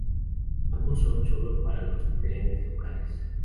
Ambos son sólo pasan los trenes locales.